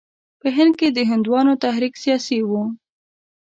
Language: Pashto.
په هند کې د هندوانو تحریک سیاسي وو.